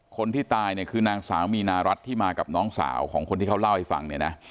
คนที่ตายเนี่ยคือนางสาวมีนารัฐที่มากับน้องสาวของคนที่เขาเล่าให้ฟังเนี่ยนะ